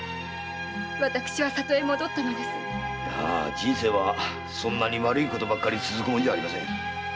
まあ人生はそんなに悪いことばかり続くもんじゃありません。